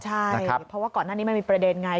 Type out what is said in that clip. ใช่เพราะว่าก่อนหน้านี้มันมีประเด็นไง